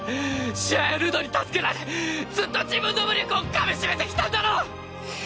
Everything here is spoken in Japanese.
シアやルドに助けられずっと自分の無力をかみしめてきたんだろ！